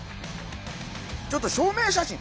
ちょっと証明写真。